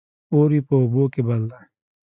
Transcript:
اور يې په اوبو کې بل دى